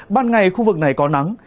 ban ngày khu vực này có nắng